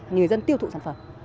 người dân tiêu thụ sản phẩm